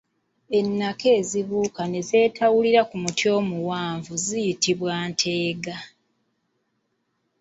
Ennaka ezibuuka ne zeetawulira ku muti omuwanvu ziyitibwa “ntenga”.